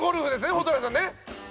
蛍原さん。